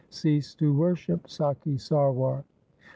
Cease to worship Sakhi Sarwar.'